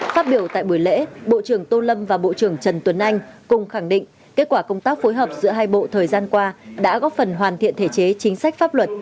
phát biểu tại buổi lễ bộ trưởng tô lâm và bộ trưởng trần tuấn anh cùng khẳng định kết quả công tác phối hợp giữa hai bộ thời gian qua đã góp phần hoàn thiện thể chế chính sách pháp luật